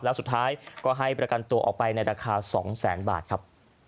แล้วสุดท้ายก็ให้ประกันตัวออกไปในราคา๒แสนบาทครับ